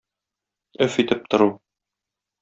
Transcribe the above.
Өф итеп тору.